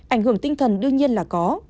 ảnh hưởng tinh thần đương nhiên là có